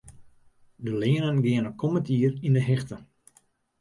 De leanen geane kommend jier yn 'e hichte.